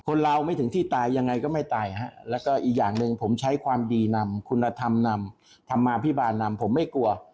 เราไม่ถึงที่ตายยังไงก็ไม่ตายฮะแล้วก็อีกอย่างหนึ่งผมใช้ความดีนำคุณธรรมนำธรรมาภิบาลนำผมไม่กลัว